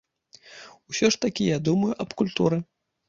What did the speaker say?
Усё ж такі я думаю аб культуры.